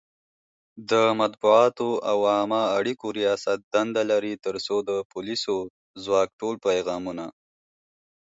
د مطبوعاتو او عامه اړیکو ریاست دنده لري ترڅو د پولیسي ځواک ټول پیغامونه